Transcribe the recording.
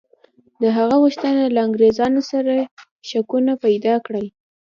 د هغه غوښتنه له انګرېزانو سره شکونه پیدا کړل.